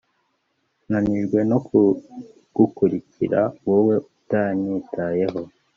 Nanijwe no kugukurikira wowe utanyitayeho